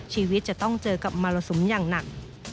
ชีวิตจะต้องเจอกับมรสุมอย่างหนัก